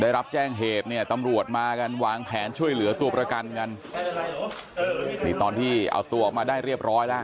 ได้รับแจ้งเหตุเนี่ยตำรวจมากันวางแผนช่วยเหลือตัวประกันกันนี่ตอนที่เอาตัวออกมาได้เรียบร้อยแล้ว